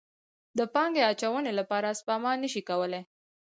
د پانګې اچونې لپاره سپما نه شي کولی.